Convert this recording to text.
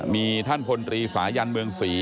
มีท่านพลตรีสายันเมืองศรี